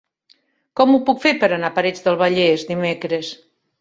Com ho puc fer per anar a Parets del Vallès dimecres?